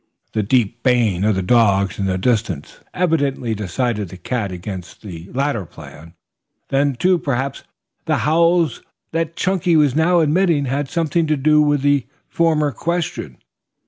The deep baying of the dogs in the distance evidently decided the cat against the latter plan. Then, too, perhaps the howls that Chunky now emitted had something to do with the former question.